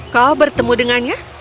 kau bertemu dengannya